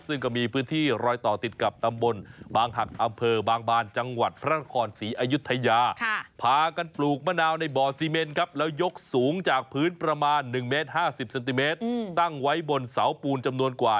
ซึ่งก็มีพื้นที่รอยต่อติดกับตำบลบางหักอำเภอบางบานจังหวัดพระราครศรีอายุทยา